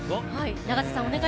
永瀬さん